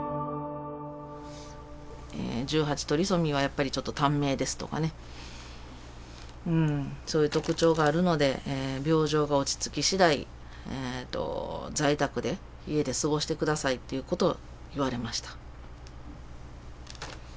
１８トリソミーは、やっぱりちょっと短命ですとかね、そういう特徴があるので、病状が落ち着きしだい、在宅で、家で過ごしてくださいっていうことを言われました。